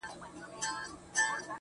ته دې هره ورځ و هيلو ته رسېږې,